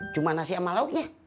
cuma nasi sama lautnya